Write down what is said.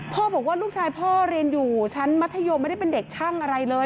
บอกว่าลูกชายพ่อเรียนอยู่ชั้นมัธยมไม่ได้เป็นเด็กช่างอะไรเลย